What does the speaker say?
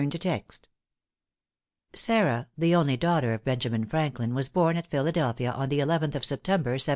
|Sarah, the only daughter of Benjamin Franklin, was born at Philadelphia, on the eleventh of September, 1744.